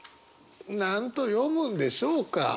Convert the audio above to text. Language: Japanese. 何と読むんでしょうか？